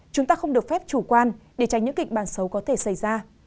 chúng ta không được phép chủ quan để tránh những kịch bản xấu có thể xảy ra